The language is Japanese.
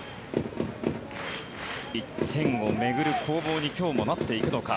１点を巡る攻防に今日もなっていくのか。